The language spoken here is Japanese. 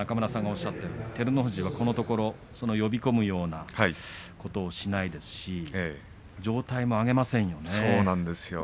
照ノ富士はこのところ呼び込むようなことをしないですし上体を上げせんよね。